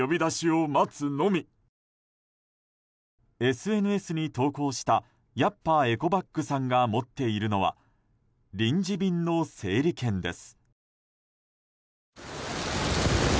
ＳＮＳに投稿したやっぱエコバッグさんが持っているのは臨時便の整理券です。